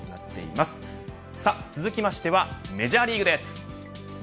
そして続きましてはメジャーリーグです。